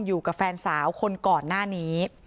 อยู่กับแฟนสาวคนก่อนหน้านี้